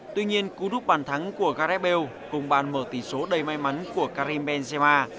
tuy nhiên cú rút bàn thắng của garibald cùng bàn mở tỷ số đầy may mắn của karim benzema